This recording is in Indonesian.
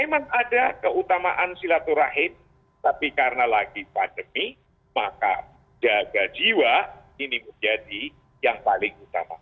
memang ada keutamaan silaturahim tapi karena lagi pandemi maka jaga jiwa ini menjadi yang paling utama